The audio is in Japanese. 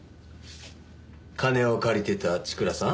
金を借りてた千倉さん？